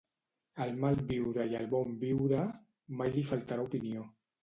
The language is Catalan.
Al mal viure i al bon viure, mai li faltarà opinió.